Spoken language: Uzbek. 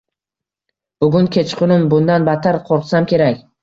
— Bugun kechqurun bundan battar qo‘rqsam kerak...